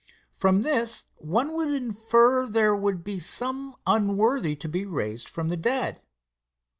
From this one would infer there would be some unworthy to be raised from the dead.